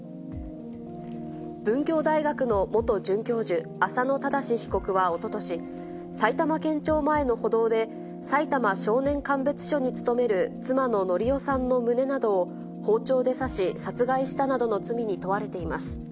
文教大学の元准教授、浅野正被告はおととし、埼玉県庁前の歩道で、さいたま少年鑑別所に勤める妻の法代さんの胸などを包丁で刺し、殺害したなどの罪に問われています。